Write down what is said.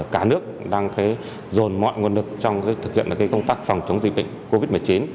cả nước đang dồn mọi nguồn lực trong thực hiện công tác phòng chống dịch bệnh covid một mươi chín